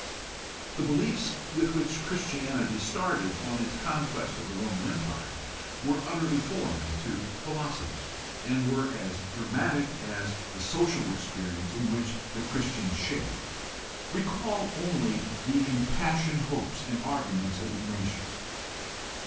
The beliefs with which Christianity started on its conquest of the Roman Empire were utterly foreign to phi losophy and were as dramatic as the social experience in which THE HISTORICAL STUDY OF RELIGION 59 the early Christians shared. Recall only the impassioned hopes and arguments of Ignatius.